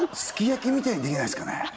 すき焼きみたいのできないですかね？